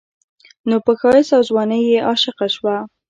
نو پۀ ښايست او ځوانۍ يې عاشقه شوه